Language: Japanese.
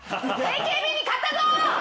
ＡＫＢに勝ったぞ！